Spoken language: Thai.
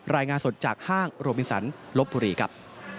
รายงานสดจากห้างโรบินสันลบบุรีครับ